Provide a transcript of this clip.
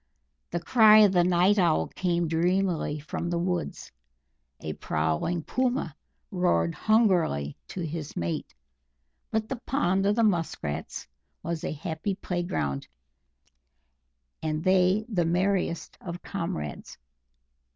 The cry of the Night Owl came dreamily from the woods; a prowling Puma roared hungrily to his mate, but the pond of the Musk Rats was a happy playground, and they the merriest of comrades.